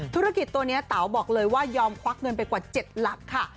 ธุรกิจตัวนี้เต๋าบอกเลยว่ายอมควักเงินไปกว่า๗หลักค่ะ